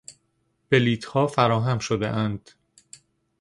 بلیطها فراهم شدهاند.